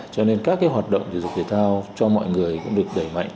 cho nên các hoạt động thể dục thể thao cho mọi người cũng được đẩy mạnh